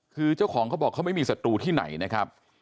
คือเจ้าของเขาบอกเขาไม่มีศัตรูที่ไหนนะครับ